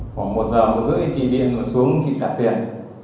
khoảng một giờ một rưỡi thì chị điện xuống chị trả tiền